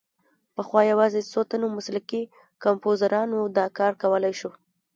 پخوا یوازې څو تنو مسلکي کمپوزرانو دا کار کولای شو.